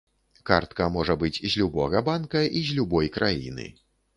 Картка можа быць з любога банка і з любой краіны.